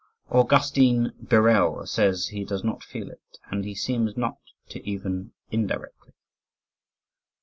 Augustine Birrell says he does not feel it and he seems not to even indirectly.